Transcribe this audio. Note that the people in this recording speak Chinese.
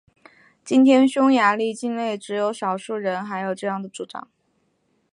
今天匈牙利境内只有少数人还有这样的主张。